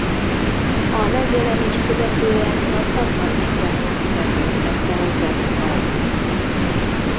A megjelenést követően az Atlantic Records szerződtette a zenekart.